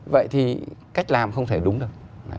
vậy thì cách làm không thể đúng được